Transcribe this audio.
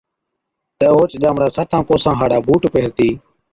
تہ اوهچ ڄامڙا ساتان ڪوسان هاڙي بُوٽ پيهرتِي،